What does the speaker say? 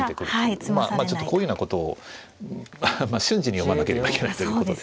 ちょっとこういうようなことを瞬時に読まなければいけないということで。